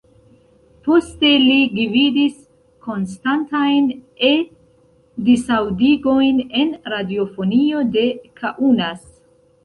Poste li gvidis konstantajn E-disaŭdigojn en radiofonio de Kaunas.